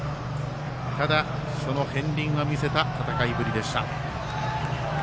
ただ、その片りんは見せた戦いぶりでした。